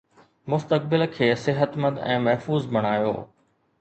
مستقبل کي صحتمند ۽ محفوظ بڻايو